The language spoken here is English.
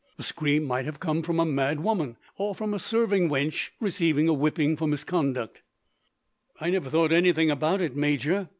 The scream might have come from a mad woman, or from a serving wench receiving a whipping for misconduct." "I never thought anything about it, Major.